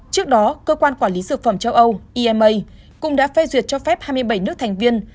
trước đó cơ quan quản lý dược phẩm châu âu i cũng đã phê duyệt cho phép hai mươi bảy nước thành viên